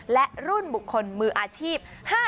และรุ่นบุคคลมืออาชีพ